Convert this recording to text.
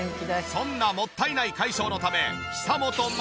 そんなもったいない解消のため久本雅